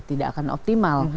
tidak akan optimal